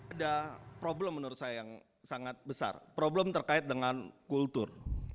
ada problem menurut saya yang sangat besar problem terkait dengan kultur